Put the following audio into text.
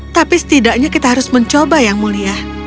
tapi setidaknya kita harus mencoba yang mulia